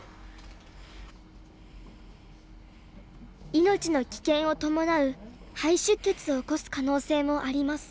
命の危険を伴う肺出血を起こす可能性もあります。